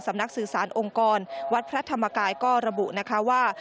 นักสื่อสารองค์กรวัดพระธรรมกายก็ระบุนะคะว่า